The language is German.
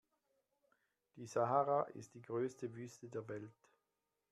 Die Sahara ist die größte Wüste der Welt.